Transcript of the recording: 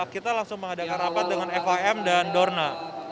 kita langsung mengadakan rapat dengan fim dan dorna